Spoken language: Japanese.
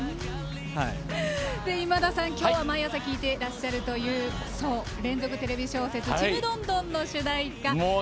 今田さん、今日は毎朝聴いてらっしゃるという連続テレビ小説「ちむどんどん」の主題歌